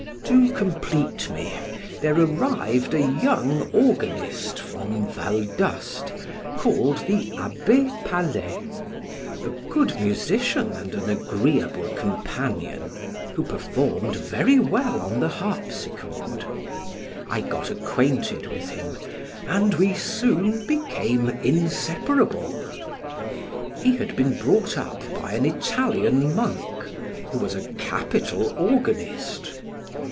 To complete me, there arrived a young organist from Valdoste, called the Abbe Palais, a good musician and an agreeable companion, who performed very well on the harpsichord; I got acquainted with him, and we soon became inseparable. He had been brought up by an Italian monk, who was a capital organist.